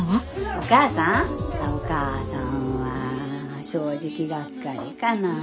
お母さんは正直がっかりかなぁ。